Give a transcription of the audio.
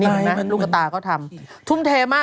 นี่นะลูกตาก็ทำ